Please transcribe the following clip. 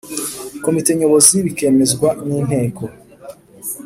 Komite Nyobozi bikemezwa n Inteko